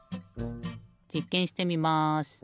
じっけんしてみます。